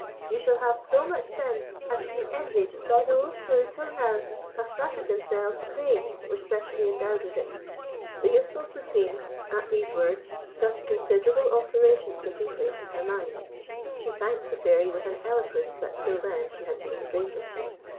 You shall have so much sense as to be envied by those who till now have flattered themselves they were specially endowed with it." The youthful Plousine, at these words, felt a considerable alteration taking place in her mind. She thanked the Fairy with an eloquence that till then she had been a stranger to.